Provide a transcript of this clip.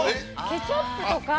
ケチャップとか。